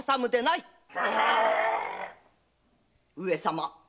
上様。